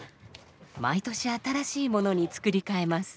毎年新しいものに作り替えます。